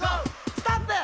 「ストップ！」